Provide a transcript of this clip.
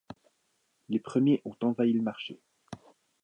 Les premiers ont envahi le marché.